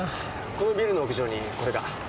このビルの屋上にこれが。